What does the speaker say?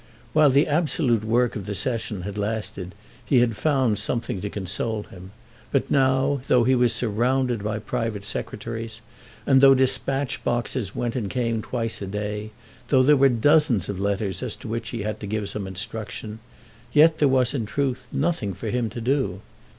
While the absolute work of the Session had lasted he had found something to console him; but now, though he was surrounded by private secretaries, and though dispatch boxes went and came twice a day, though there were dozens of letters as to which he had to give some instruction, yet, there was in truth nothing for him to do.